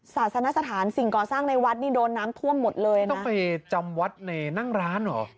ศาสนสถานสิ่งก่อสร้างในวัดนี่โดนน้ำท่วมหมดเลยนะต้องไปจำวัดในนั่งร้านเหรอ